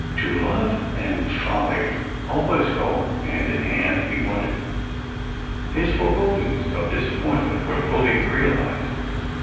203 *• Do love and folly always go hand in hand? " he wondered. His forebodings of disappointment were fully realised.